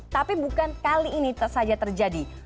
tapi bukan kali ini saja terjadi